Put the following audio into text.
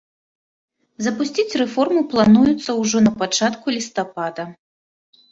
Запусціць рэформу плануецца ўжо напачатку лістапада.